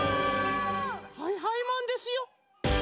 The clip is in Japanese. はいはいマンですよ。